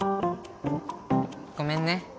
ごめんね